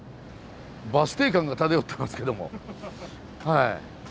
バス停感が漂ってますけどもはい。